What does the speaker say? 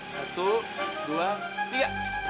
satu dua tiga